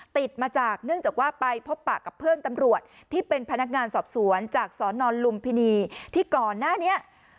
ติดมาจากเนื่องจากว่าไปพบปะกับเพื่อนตำรวจที่เป็นพนักงานสอบสวนจากสนลุมพินีที่ก่อนหน้านี้